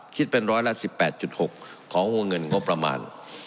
คิดเป็นร้อยละ๑๘๖ของวงเงินงบประมาณ